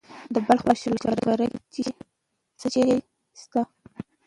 د بلخ په شولګره کې څه شی شته؟